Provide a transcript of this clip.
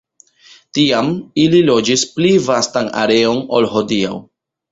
Tiam ili loĝis pli vastan areon ol hodiaŭ.